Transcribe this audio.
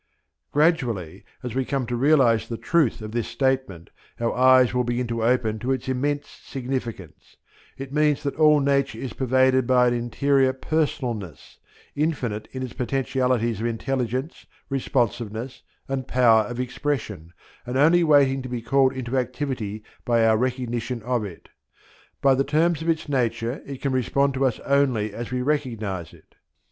Gradually as we come to realize the truth of this statement, our eyes will begin to open to its immense significance. It means that all Nature is pervaded by an interior personalness, infinite in its potentialities of intelligence, responsiveness, and power of expression, and only waiting to be called into activity by our recognition of it. By the terms of its nature it can respond to us only as we recognize it.